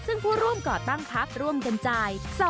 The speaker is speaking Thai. ซึ่งผู้ร่วมก่อตั้งพักร่วมกันจ่าย